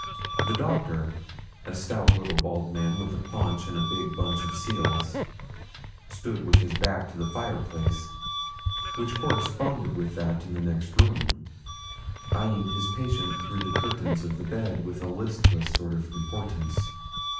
The doctor, a stout little bald man, with a paunch and a big bunch of seals, stood with his back to the fireplace, which corresponded with that in the next room, eyeing his patient through the curtains of the bed with a listless sort of importance.